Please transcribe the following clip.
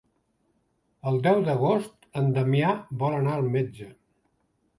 El deu d'agost en Damià vol anar al metge.